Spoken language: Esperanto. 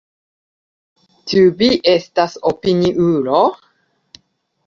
Ĉu vi estas opiniulo?